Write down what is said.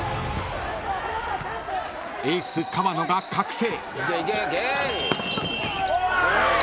［エース川野が覚醒］